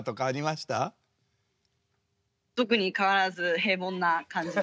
特に変わらず平凡な感じで。